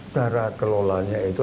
cara kelolanya itu